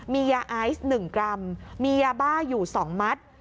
มียาไอซ์๑กรัมมียาบ้าอยู่๒มัด